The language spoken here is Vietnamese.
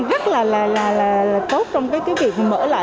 rất là tốt trong cái việc mở lại